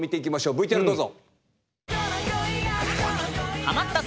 ＶＴＲどうぞ。